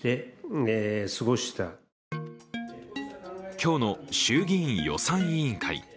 今日の衆議院予算委員会。